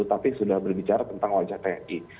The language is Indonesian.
tapi sudah berbicara tentang wajah tni